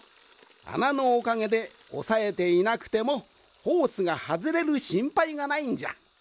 あなのおかげでおさえていなくてもホースがはずれるしんぱいがないんじゃ。